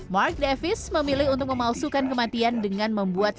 mark davis memilih untuk memalsukan kematian dengan membuat